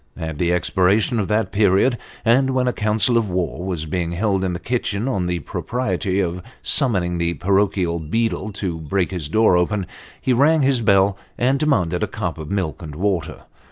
At the expiration of that period, and when a council of war was being held in the kitchen on the propriety of summoning the parochial beadle to break his door open, he rang his bell, and demanded a cup of milk and water.